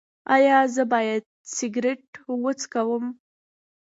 ایا زه باید سګرټ وڅکوم؟